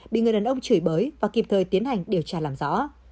bị người đàn ông chửi bới và kịp thời tiến hành điều tra làm rõ